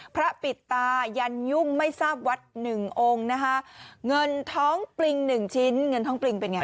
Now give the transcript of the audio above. ปิดตายันยุ่งไม่ทราบวัดหนึ่งองค์นะคะเงินท้องปริงหนึ่งชิ้นเงินท้องปริงเป็นไง